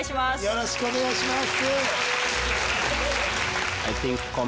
よろしくお願いします。